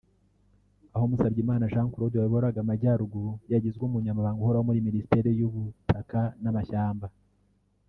aho Musabyimana Jean Claude wayoboraga Amajyaruguru yagizwe Umunyamabanga uhoraho muri Minisiteri y’ubutaka n’amashyamba